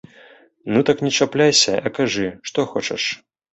Ну так не чапляйся, а кажы, што хочаш?